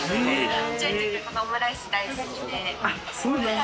小さい時からオムライスが大好きで。